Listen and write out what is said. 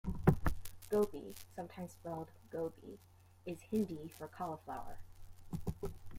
"Gobi", sometimes spelled "gobhi," is Hindi for "cauliflower.